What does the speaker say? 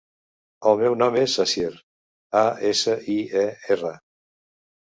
El meu nom és Asier: a, essa, i, e, erra.